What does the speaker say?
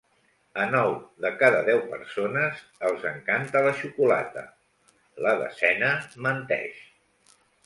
A nou de cada deu persones els encanta la xocolata; la desena, menteix.